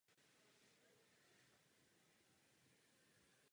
Byl členem vedení poslanecké frakce Polský klub.